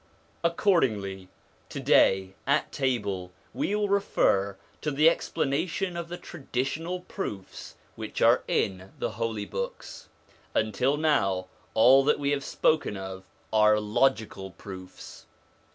Accordingly to day, at table, we will refer to the explanation of the traditional proofs which are in the Holy Books. Until now, all that we have spoken of are logical proofs.